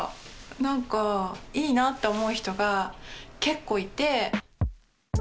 なんかいいなって思う人が結構いて。